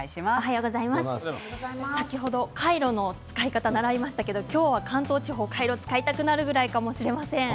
先ほどカイロの使い方、習いましたけれど今日は関東地方カイロを使いたくなるくらいかもしれません。